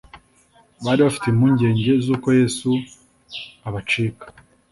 bari bafite impuugenge z'uko Yesu yabacika.